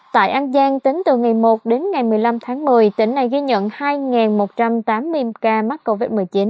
tại an giang tính từ ngày một đến ngày một mươi năm tháng một mươi tỉnh này ghi nhận hai một trăm tám mươi ca mắc covid một mươi chín